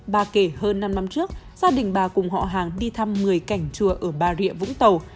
bà kể hơn năm năm trước gia đình bà cùng họ hàng đi thăm người cảnh chùa ở ba rịa vũng tàu